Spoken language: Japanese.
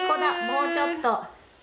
もうちょっと。